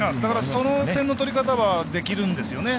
その点の取り方はできるんですよね。